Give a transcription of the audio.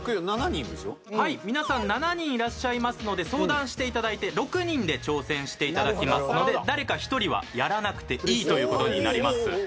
皆さん７人いらっしゃいますので相談していただいて６人で挑戦していただきますので誰か１人はやらなくていいという事になります。